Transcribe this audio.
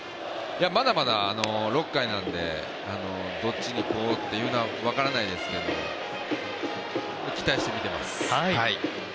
まだまだ６回なので、どっちにこうというのは分からないですけど期待して見てます。